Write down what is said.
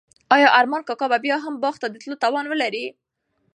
آیا ارمان کاکا به بیا هم باغ ته د تلو توان ولري؟